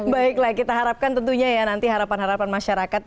baiklah kita harapkan tentunya ya nanti harapan harapan masyarakat